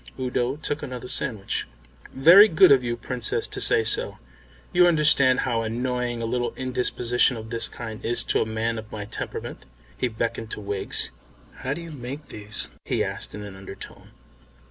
Udo took another sandwich. "Very good of you, Princess, to say so. You understand how annoying a little indisposition of this kind is to a man of my temperament." He beckoned to Wiggs. "How do you make these?" he asked in an undertone.